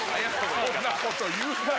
そんなこと言うなよ。